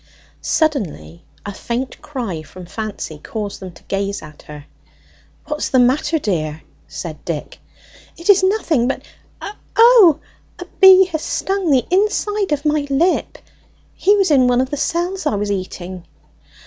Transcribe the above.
Suddenly a faint cry from Fancy caused them to gaze at her. "What's the matter, dear?" said Dick. "It is nothing, but O o! a bee has stung the inside of my lip! He was in one of the cells I was eating!"